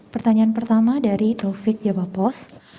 pertanyaan pertama dari taufik jabapos